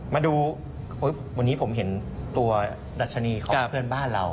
มาดูวันนี้ผมเห็นตัวดัชนีของเพื่อนบ้านเรา